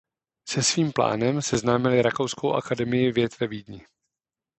Se svým plánem seznámili rakouskou Akademii věd ve Vídni.